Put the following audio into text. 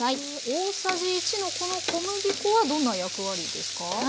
大さじ１のこの小麦粉はどんな役割ですか？